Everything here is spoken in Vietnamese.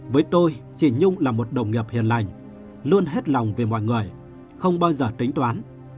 với tôi chỉ nhung là một đồng nghiệp hiền lành luôn hết lòng vì mọi người không bao giờ tính toán